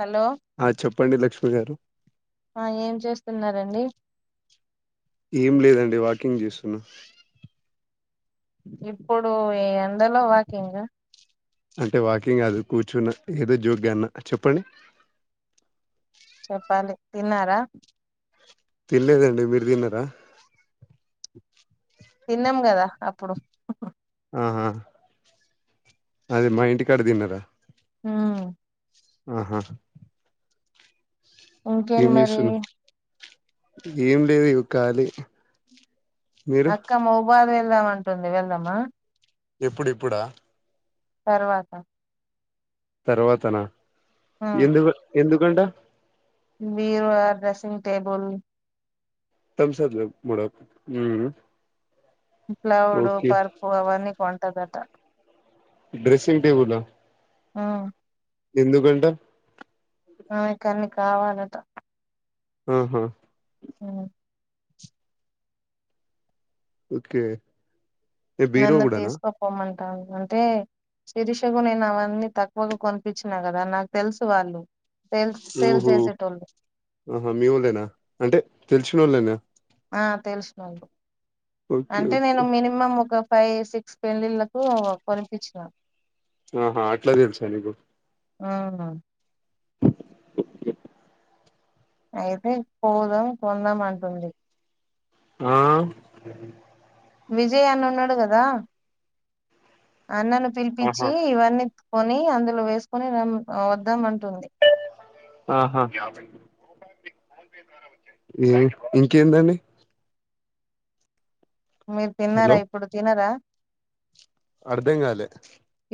Hello ఆ చెప్పండి లక్ష్మి గారు ఏం చేస్తున్నారండి ఏం లేదండి వాకింగ్ చేస్తున్నా ఇప్పుడు ఎండలో వాకింగ్ ఆ అంటే వాకింగ్ కాదు కూర్చున్న ఏదో జోగన్నా చెప్పండి చెప్పాలి తిన్నారా తిల్లేదండి మీరు తిన్నారా తిన్నాం కదా అప్పుడు ఆహా అదే మా ఇంటి కడ తిన్నార మ్మ్ ఆహా ఏం ఇంకేంటి మరి చేస్తున్నా ఏం లేదు ఇవ్ కాలి అక్క మోబారి వెళ్దాం అంటుంది వెళ్దామా ఎప్పుడు ఇప్పుడా తర్వాత తర్వాతనా ఉమ్ ఎందుకు వ ఎందుకంట బీరువా డ్రెసింగ్ టేబుల్ తమ్సఅప్ ల మేడమ్ ఉమ్ ప్లవుడు పరుపు అవన్నీ కొంటదట డ్రెసింగ్ టెబుల ఆ ఎందుకంటా ఆమెకి అన్ని కావాలట ఉహు ఉమ్ ఓకే ఏ బీరో నన్ను కూడానా తీసుకపొమ్మంటుంది అంటే శిరిషకు నేను అవన్నీ తక్కువకు కొనిపిచ్చిన కదా నాకు తెలుసు వాళ్ళు సేల్ సేల్ ఊహో చేసేటోళ్ళు ఆహా మీ వాళ్ళేనా అంటే తెలిసినోళ్లేనా ఆ తెలిసినోళ్లు ఓకే అంటే ఓకే నేను మినిమం ఒక ఫైవ్ సిక్స్ పెళ్లిళ్లకు కోనిపించిన ఆహా అట్లా తెల్సా నీకు అవున అయితే పోదాం కొందాం అంటుంది ఆ విజయ్ అన్న ఉన్నాడు కదా అన్నను పిలిపించి ఇవన్నీ కొని అందులో వేసుకొని వద్దాం అంటుంది ఆహా ఏ ఇంకేందండి మీరు హలో తిన్నారా ఇప్పుడు తినరా అర్ధం కాలే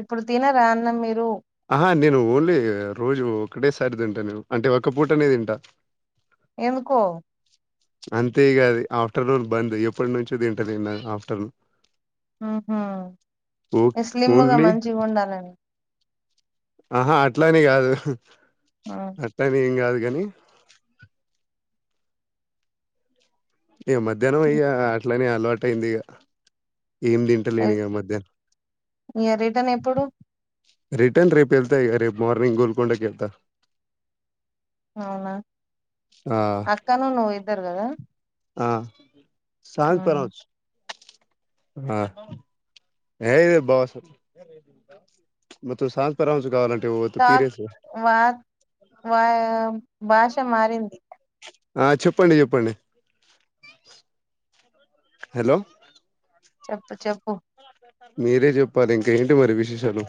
ఇప్పుడు తినరా అన్నాం మీరు ఆహా నేను ఓన్లీ రోజు ఒకటేసారి తింటా నేను అంటే ఒక్క పూటనే తింటా ఎందుకో అంతే ఇగ అది ఆఫ్టర్నూన్ బంద్ ఎప్పటి నుంచో తింటలే ఆఫ్టర్నూన్ ఉహు ఓ స్లిమ్ముగా ఓన్లీ మంచిగా ఉండాలనీ ఆహా అట్లానీ కాదు ఉమ్. అట్లానీ ఏం కాదు కానీ ఇగ మధ్యాహ్నం ఇగ అట్లనే అలవాటు అయింది ఇగా ఏం తింటలేను ఇగా మధ్యాహ్నం ఇక రిటర్న్ ఎప్పుడు రిటర్న్ రేపు ఎళ్తా ఇగ రేపు మార్నింగ్ గోల్కొండకి వెళ్తా అవునా అక్కను నువ్వు ఇద్దరు కదా ఆ [unintelligible] ఆ ఏ ఇది [unintelligible] టాక్ వా వా భాష మారింది ఆ చెప్పండి చెప్పండి హలో చెప్పు చెప్పు మీరే చెప్పాలి ఇంక ఏంటి మరి విశేషాలు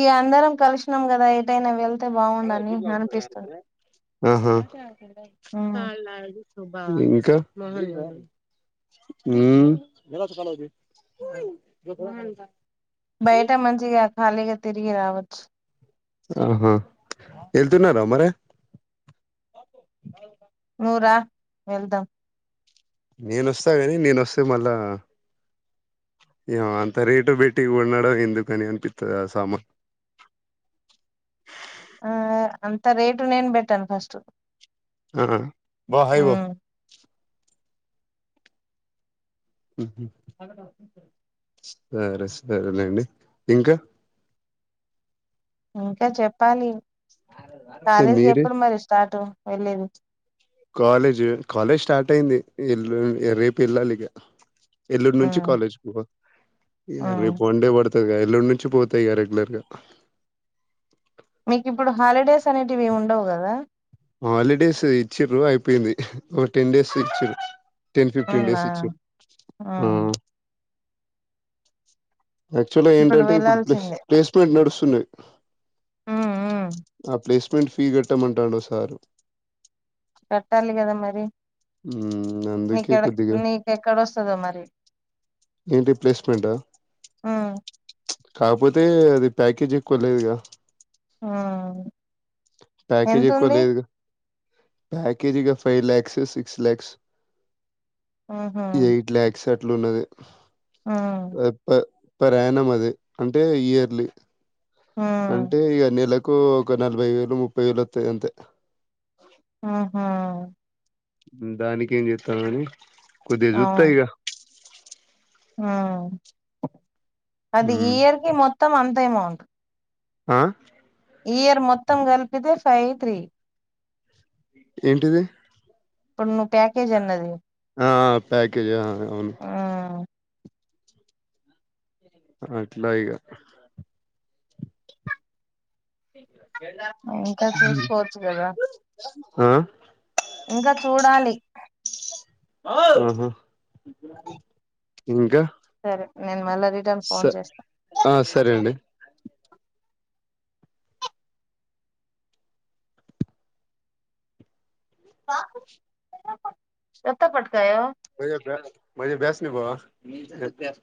ఇగా అందరం కలిసినాం కదా ఎటయినా వెల్ ఆహా ఉమ్. ఇంకా ఉమ్ బయట మంచిగా ఖాళీగా తిరిగి రావచ్చు ఆహా ఎళ్తున్నార మరె నువ్ రా వెళ్దాం నేనొస్తా గాని నేనొస్తే మళ్ళా ఎమ అంత రేటు పెట్టి కొనడం ఎందుకని అనిపిస్తుంది ఆ సామాన్ ఆ అంత రేటు నేను పెట్టను ఫస్ట్ అహ బ హై వొ ఉమ్. ఉహు సరే సరేనండి ఇంక ఇంకా చెప్పాలి కాలేజీకి మీరే ఎప్పుడు మరి స్టార్ట్ వెళ్ళేది కాలేజ్ కాలేజ్ స్టార్ట్ అయింది ఎల్లు రేపు ఎల్ళాలిగ ఎల్లుండి నుంచి ఉమ్, కాలేజ్ పో ఉమ్. రేపు వండే పడు తిగ ఎల్లుండి నుంచి పోతా ఇగ రెగ్యులర్గా మీకు ఇప్పుడు హాలిడేస్ అనేటివి ఏమి ఉండవు కదా హాలిడేస్ ఇచ్చిర్రు అయిపోయినయ్ ఒక టెన్ డేస్ ఇచ్చిర్రు టెన్ ఫిఫ్టీన్ ఉన్నా డేస్ ఇచ్చి ఆ ఉమ్. యాక్చువల్గా ఏంటంటే ఇప్పుడు ప్లేస్ ప్లేస్మెంట్ నడుస్తున్నాయి ఉమ్, ఉమ్. ఆ ప్లేస్మెంట్ ఫీ కట్టమంటాండు సారు కట్టాలి కదా మరి మ్మ్ అందుకే నీకెడ కొద్దిగా నీకెక్కడొస్తదో మరి ఏంటి ప్లేస్మెంటా కాకపోతే అది ప్యాకేజ్ ఎక్కువ లేదుగా ఆ ప్యాకేజ్ ఎక్కువ లేదుగ ప్యాకేజీ ఇగ ఫైవ్ లాక్స్ సిక్స్ ల్యాక్స్ ఆహా ఎయిట్ ల్యాక్స్ అట్లు ఆ ఉన్నదిప్ప పర్ యానాం అది అంటే ఇయర్లీ ఆ అంటే ఇగ నెలకు ఒక నలభై వేలు ముప్పై వేలు వత్తయి అంతే ఆహా దానికి ఏం చేస్తాను గాని కొద్దిగా ఆ చెత్త ఇగ అది ఈ హ్మ్ ఇయర్ కి మొత్తం అంత అమౌంట్ ఆ ఇయర్ మొత్తం కలిపితే ఫైవ్ త్రీ ఏంటిది ఇప్పుడు నువ్వు ప్యాకేజ్ అన్నది ఆ ఆ ప్యాకేజ్ ఆ అవును ఉమ్ అట్ల ఇగ ఇంకా చూసుకోవచ్చు కదా ఆ ఇంకా చూడాలి అహ ఇంకా సరే నేను మళ్ళా రిటర్న్ స ఫోన్ చేస్తా ఆ సరే అండి ఎత్త పట్కాయో మ బ మ బ్యాస్ట్ మీ బావా